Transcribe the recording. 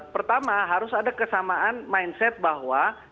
pertama harus ada kesamaan mindset bahwa